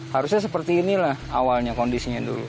harusnya seperti inilah awalnya kondisinya dulu